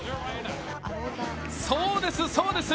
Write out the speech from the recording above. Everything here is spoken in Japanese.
そうです、そうです！